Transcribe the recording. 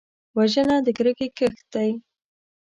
وژنه د کرکې کښت دی